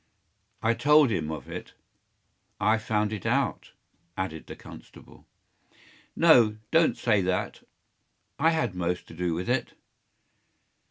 “I told him of it. I found it out,” added the constable. “No, don’t say that. I had most to do with it.